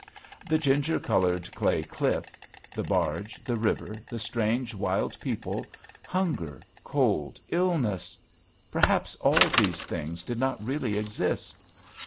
The ginger coloured clay cliff, the barge, the river, the strange wild people, hunger, cold, illness perhaps all these things did not really exist.